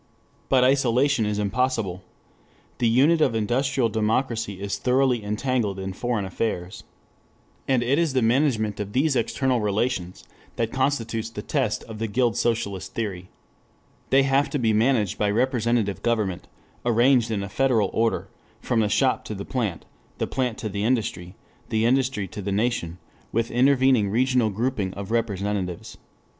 But isolation is impossible. The unit of industrial democracy is thoroughly entangled in foreign affairs. And it is the management of these external relations that constitutes the test of the guild socialist theory. They have to be managed by representative government arranged in a federal order from the shop to the plant, the plant to the industry, the industry to the nation, with intervening regional grouping of representatives.